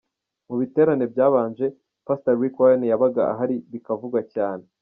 Mu biterane byabanje, Pastor Rick Warren yabaga ahari bikavugwa cyane.